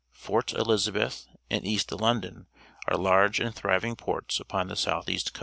Fort Elizabeth and East London are large antftEFTvIng^orts upon the south east coast.